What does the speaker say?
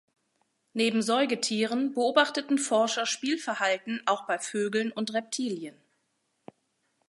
Neben Säugetieren beobachteten Forscher Spielverhalten auch bei Vögeln und Reptilien.